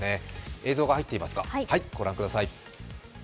映像が入っていますか、ご覧ください。